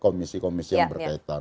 komisi komisi yang berkaitan